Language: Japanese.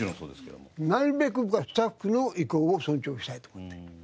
なるべく僕はスタッフの意向を尊重したいと思ってる。